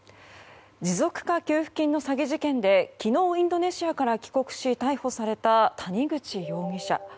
持続化給付金の詐欺事件で昨日インドネシアから帰国し逮捕された谷口容疑者。